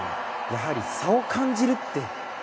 やはり差を感じる。